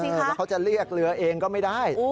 แล้วเขาจะเรียกเรือเองก็ไม่ได้